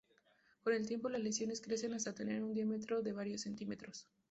Con el tiempo las lesiones crecen hasta tener un diámetro de varios cm.